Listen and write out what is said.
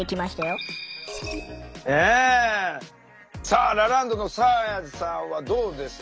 さあラランドのサーヤさんはどうです？